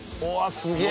すげえ。